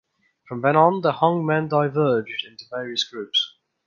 From then on the Hongmen diverged into various groups.